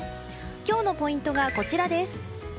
今日のポイントはこちら。